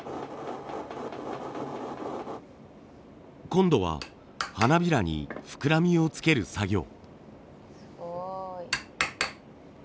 今度は花びらに膨らみをつける作業。